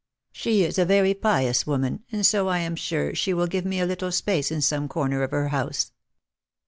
She is a very pious woman and so I am sure she will give me a little space in some corner of her house.